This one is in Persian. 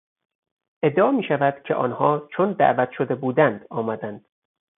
ادعا میشود که آنها چون دعوت شده بودند آمدند.